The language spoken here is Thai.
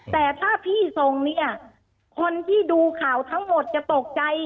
แต่ถ้าพี่ส่งเนี่ยคนที่ดูข่าวทั้งหมดจะตกใจ